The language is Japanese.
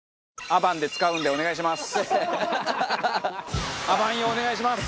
アバンで使うんでお願いします。